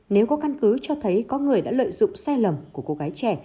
nếu có căn cứ cho thấy có người đã lợi dụng sai lầm của cô gái trẻ